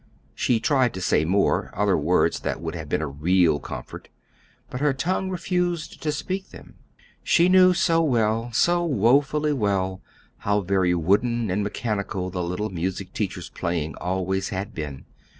She tried to say more other words that would have been a real comfort; but her tongue refused to speak them. She knew so well, so woefully well, how very wooden and mechanical the little music teacher's playing always had been.